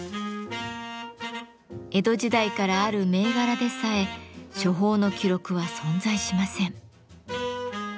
江戸時代からある銘柄でさえ処方の記録は存在しません。